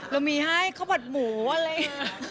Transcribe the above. เรามีให้ข้าวผัดหมูอะไรอย่างนี้